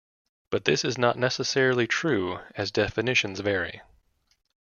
But this is not necessarily true, as definitions vary.